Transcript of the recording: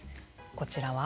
こちらは？